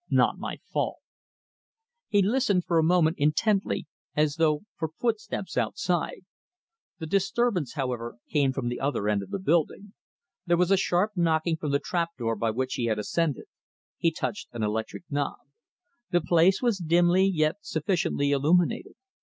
"Not my fault." He listened for a moment intently, as though for footsteps outside. The disturbance, however, came from the other end of the building. There was a sharp knocking from the trap door by which he had ascended. He touched an electric knob. The place was dimly yet sufficiently illuminated.